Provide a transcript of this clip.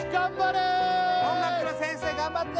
・音楽の先生頑張って！